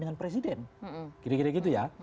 dengan presiden kira kira gitu ya